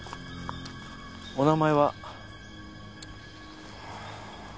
お名前は？